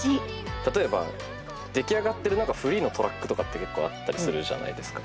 例えば出来上がってる何かフリーのトラックとかって結構あったりするじゃないですか。